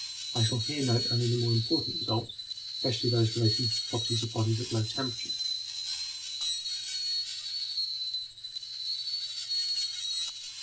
I shall here note only the more important results, especially those relating to the properties of bodies at low temperatures.